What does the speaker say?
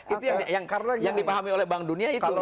itu yang dipahami oleh bank dunia itu